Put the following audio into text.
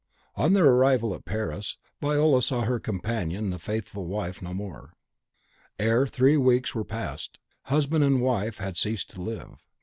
On their arrival at Paris, Viola saw her companion the faithful wife no more. Ere three weeks were passed, husband and wife had ceased to live.